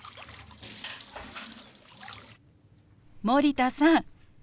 森田さん